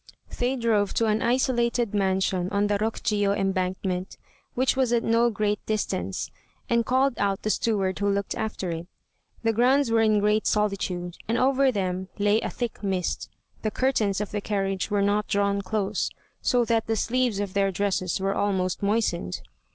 They drove to an isolated mansion on the Rokjiô embankment, which was at no great distance, and called out the steward who looked after it. The grounds were in great solitude, and over them lay a thick mist. The curtains of the carriage were not drawn close, so that the sleeves of their dresses were almost moistened.